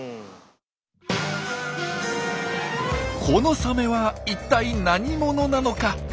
このサメは一体何者なのか？